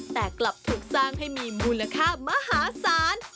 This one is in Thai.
แต่กลับถูกสร้างให้มีมูลค่ามหาศาล